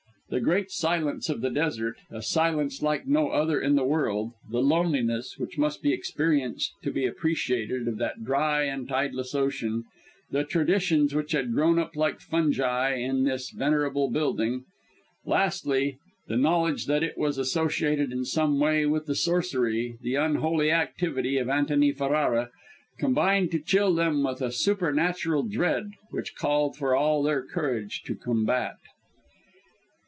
The great silence of the desert a silence like no other in the world; the loneliness, which must be experienced to be appreciated, of that dry and tideless ocean; the traditions which had grown up like fungi about this venerable building; lastly, the knowledge that it was associated in some way with the sorcery, the unholy activity, of Antony Ferrara, combined to chill them with a supernatural dread which called for all their courage to combat.